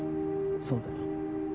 そうだよ。